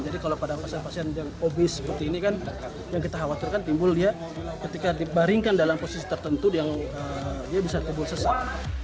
jadi kalau pada pasien pasien yang obese seperti ini kan yang kita khawatirkan timbul dia ketika dibaringkan dalam posisi tertentu dia bisa timbul sesak